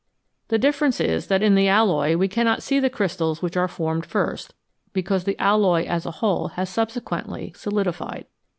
The difference is that in the alloy we cannot see the crystals which were formed first, because the alloy as a whole has subsequently solidified.